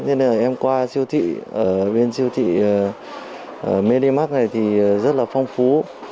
nên là em qua siêu thị bên siêu thị medimark này thì rất là phong phú